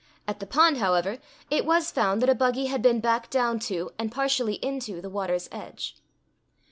At the pond, however, it was found that a buggy had been backed down to, and partially into the water's edge.